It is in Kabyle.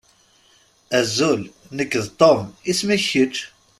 Azul, nekk d Tom. Isem-ik kečč?